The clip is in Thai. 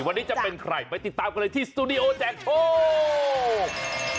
วันนี้จะเป็นใครไปติดตามกันเลยที่สตูดิโอแจกโชค